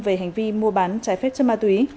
về hành vi mua bán trái phép chất ma túy